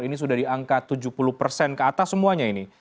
ini sudah di angka tujuh puluh persen ke atas semuanya ini